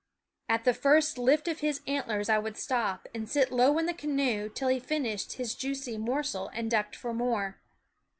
At the first lift of his antlers I would stop and sit low in the canoe till he finished his juicy .mor sel and ducked for more.